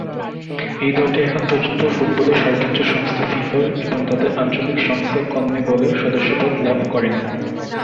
এই দলটি এখন পর্যন্ত ফুটবলের সর্বোচ্চ সংস্থা ফিফার এবং তাদের আঞ্চলিক সংস্থা কনমেবলের সদস্যপদ লাভ করেনি।